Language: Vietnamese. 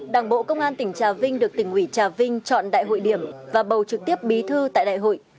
đảng bộ công an tỉnh trà vinh được tỉnh ủy trà vinh chọn đại hội điểm và bầu trực tiếp bí thư tại đại hội